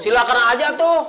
silahkan aja tuh